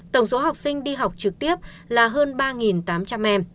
tổng số học sinh đi học trực tiếp là hơn ba tám trăm linh em